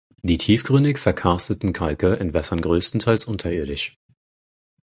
Die tiefgründig verkarsteten Kalke entwässern größtenteils unterirdisch.